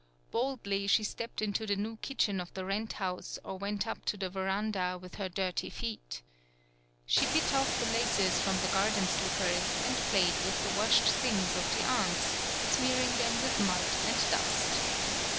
Boldly she stepped into the new kitchen of the rent house, or went up to the veranda with her dirty feet. She bit off the laces from the garden slippers, and played with the washed things of the aunts, smearing them with mud and dust.